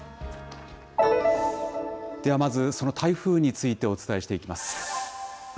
ではまずその台風についてお伝えしていきます。